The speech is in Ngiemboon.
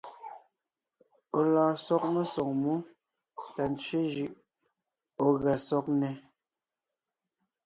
Ɔ̀ lɔɔn sɔg mesoŋ mú tà ntsẅé jʉʼ ɔ̀ gʉa sɔg nnɛ́.